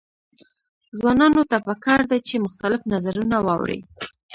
ځوانانو ته پکار ده چې، مختلف نظرونه واوري.